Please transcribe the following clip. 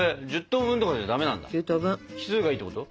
奇数がいいってこと？